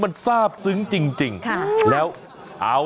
หมอกิตติวัตรว่ายังไงบ้างมาเป็นผู้ทานที่นี่แล้วอยากรู้สึกยังไงบ้าง